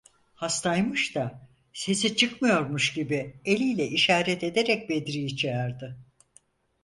Hastaymış da sesi çıkmıyormuş gibi eliyle işaret ederek Bedri’yi çağırdı.